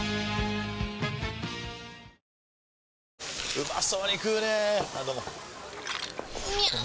うまそうに食うねぇあどうもみゃう！！